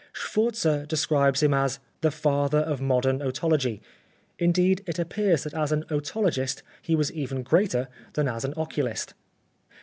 Schwarze describes him as " the father of modern otology." Indeed, it appears that as an otologist he was even greater than as an oculist.